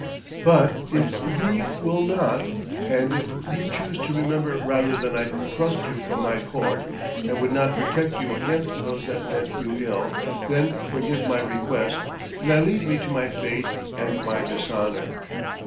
But if ye will not, and if ye choose to remember rather that I thrust you from my court, and would not protect you against those that meant you ill, then forgive my request, and leave me to my fate and my dishonour.'